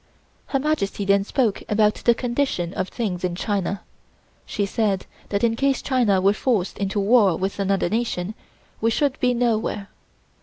Her Majesty then spoke about the condition of things in China. She said that in case China were forced into war with another nation, we should be nowhere.